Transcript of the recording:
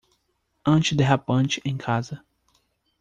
Antiderrapante em casa